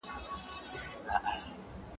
لکه قبر